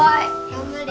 頑張れ。